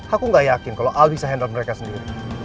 aku gak yakin kalau al bisa handle mereka sendiri